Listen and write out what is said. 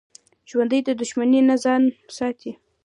ژوندي د دښمنۍ نه ځان ساتي